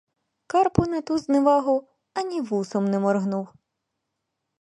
Карпо на ту зневагу а ні вусом не моргнув.